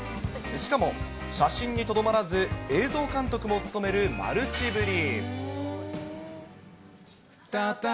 しかも写真にとどまらず、映像監督も務めるマルチぶり。